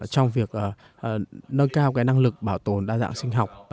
trong việc nâng cao năng lực bảo tồn đa dạng sinh học